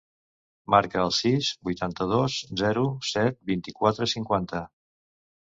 Marca el sis, vuitanta-dos, zero, set, vint-i-quatre, cinquanta.